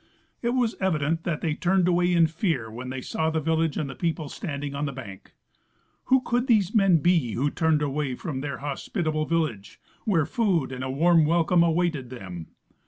It was evident that they turned away in fear when they saw the village and the people standing on the bank. Who could these men be Avho turned away from their hospitable vil lage, where food and a warm welcome awaited them